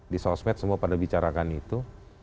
di sosmed semua pada bicarakan itu